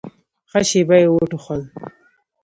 ښه شېبه يې وټوخل.